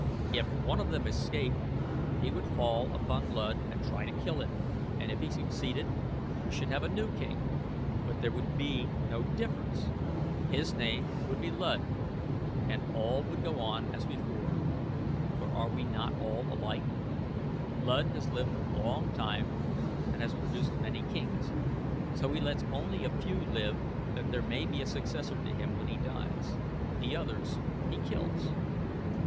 If one of them escaped he would fall upon Luud and try to kill him and if he succeeded we should have a new king; but there would be no difference. His name would be Luud and all would go on as before, for are we not all alike? Luud has lived a long time and has produced many kings, so he lets only a few live that there may be a successor to him when he dies. The others he kills."